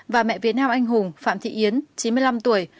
và mẹ việt nam anh hùng phạm thị yến chín mươi năm tuổi